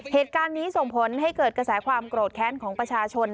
เหตุการณ์นี้ส่งผลให้เกิดกระแสความโกรธแค้นของประชาชน